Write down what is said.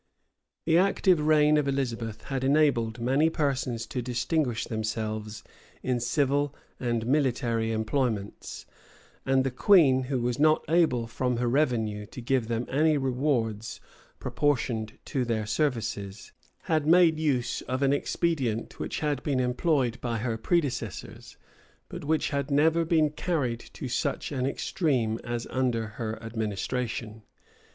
The active reign of Elizabeth had enabled many persons to distinguish themselves in civil and military employments; and the queen, who was not able from her revenue to give them any rewards proportioned to their services, had made use of an expedient which had been employed by her predecessors, but which had never been carried to such an extreme as under her administration.